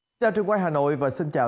xin chào trường quay hà nội và xin chào